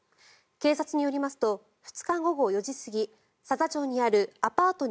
警察によりますと２日午後４時過ぎ佐々町にあるアパート